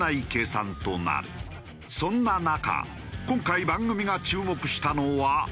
そんな中今回番組が注目したのは。